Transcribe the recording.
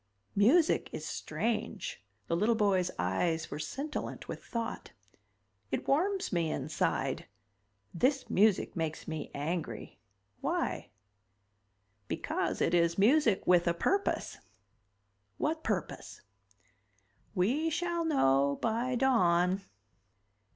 "Music is strange." The little boy's eyes were scintillant with thought. "It warms me inside. This music makes me angry. Why?" "Because it is music with a purpose." "What purpose?" "We shall know by dawn.